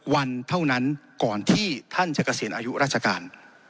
วันเท่านั้นก่อนที่ท่านจะเกษียณอายุราชการ